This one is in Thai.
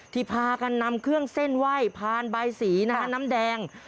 พากันนำเครื่องเส้นไหว้พานใบสีนะฮะน้ำแดง